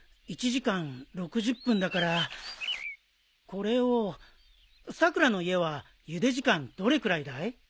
１時間６０分だからこれをさくらの家はゆで時間どれくらいだい？